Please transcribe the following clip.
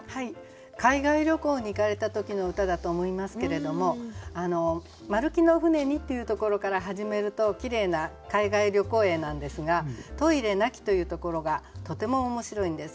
海外旅行に行かれた時の歌だと思いますけれども「丸木の舟に」っていうところから始めるときれいな海外旅行詠なんですが「トイレ無き」というところがとても面白いんです。